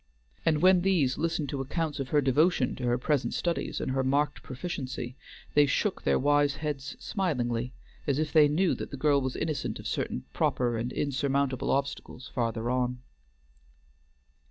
And when these listened to accounts of her devotion to her present studies and her marked proficiency, they shook their wise heads smilingly, as if they knew that the girl was innocent of certain proper and insurmountable obstacles farther on.